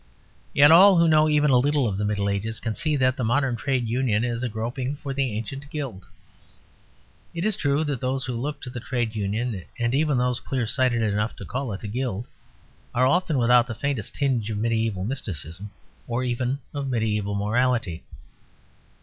Yet all who know even a little of the Middle Ages can see that the modern Trade Union is a groping for the ancient Guild. It is true that those who look to the Trade Union, and even those clear sighted enough to call it the Guild, are often without the faintest tinge of mediæval mysticism, or even of mediæval morality.